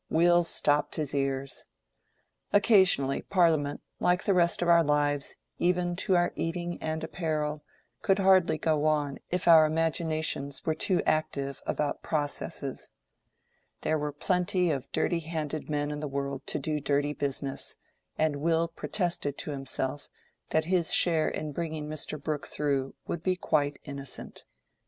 Will stopped his ears. Occasionally Parliament, like the rest of our lives, even to our eating and apparel, could hardly go on if our imaginations were too active about processes. There were plenty of dirty handed men in the world to do dirty business; and Will protested to himself that his share in bringing Mr. Brooke through would be quite innocent.